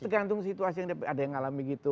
tergantung situasi yang ada yang alami gitu